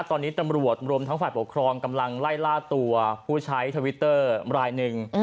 ตอนนี้ตำรวจรวมทั้งฝ่ายปกครองกำลังไล่ล่าตัวผู้ใช้ทวิตเตอร์รายหนึ่ง